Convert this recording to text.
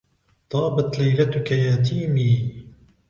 طابت ليلتك يا تيمي.